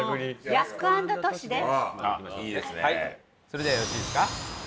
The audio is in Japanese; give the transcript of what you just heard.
それではよろしいですか？